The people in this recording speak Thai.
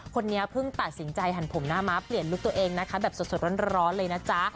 คนนี้เพิ่งตัดสินใจหันผมหน้าม้าเปลี่ยนลุคตัวเองนะคะแบบสดร้อนเลยนะจ๊ะ